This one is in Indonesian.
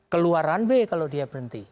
keluaran b kalau dia berhenti